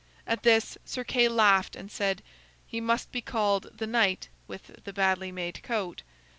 At this Sir Kay laughed and said: "He must be called The Knight with the Badly Made Coat."